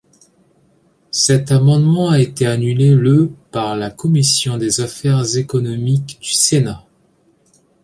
Cet amendement a été annulé le par la Commission des affaires économiques du Sénat.